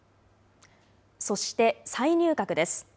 そして再入閣です。